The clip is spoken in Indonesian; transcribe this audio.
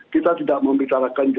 kita tidak membicarakannya